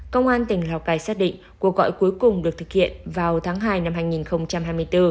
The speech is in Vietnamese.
công an tỉnh lào cai xác định cuộc gọi cuối cùng được thực hiện vào tháng hai năm hai nghìn hai mươi bốn